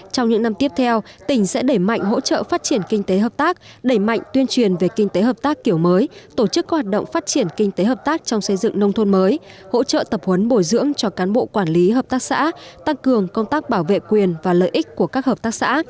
trong những năm tiếp theo tỉnh sẽ đẩy mạnh hỗ trợ phát triển kinh tế hợp tác đẩy mạnh tuyên truyền về kinh tế hợp tác kiểu mới tổ chức các hoạt động phát triển kinh tế hợp tác trong xây dựng nông thôn mới hỗ trợ tập huấn bồi dưỡng cho cán bộ quản lý hợp tác xã tăng cường công tác bảo vệ quyền và lợi ích của các hợp tác xã